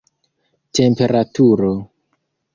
temperaturo